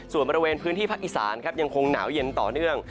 ส่วนบริเวณพื้นที่ภาคอีสานครับยังคงหนาวเย็นต่อเนื่อง